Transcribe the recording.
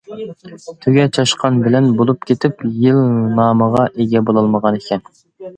تۆگە چاشقان بىلەن بولۇپ كېتىپ يىل نامىغا ئىگە بولالمىغانىكەن.